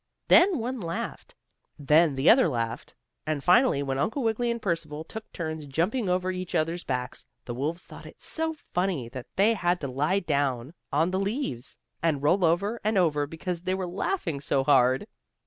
Then one laughed, then the other laughed, and finally, when Uncle Wiggily and Percival took turns jumping over each other's backs, the wolves thought it so funny that they had to lie down on the leaves and roll over and over because they were laughing so hard.